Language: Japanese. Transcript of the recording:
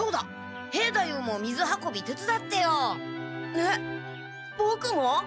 えっボクも？